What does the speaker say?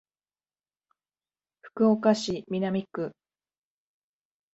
福岡市南区